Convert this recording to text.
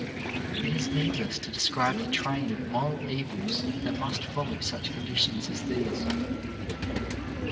It is needless to de scribe the train of moral evils that must follow such conditions as these.